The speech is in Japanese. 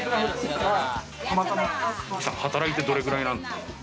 働いてどれくらいなんですか？